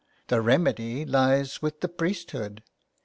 '' The remedy lies with the priesthood.